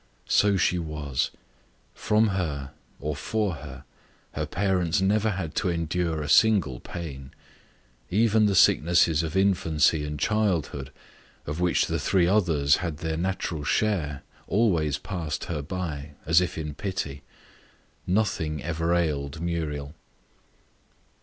So she was. From her, or for her, her parents never had to endure a single pain. Even the sicknesses of infancy and childhood, of which the three others had their natural share, always passed her by, as if in pity. Nothing ever ailed Muriel.